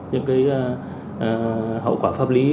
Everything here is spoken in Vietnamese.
những hậu quả pháp lý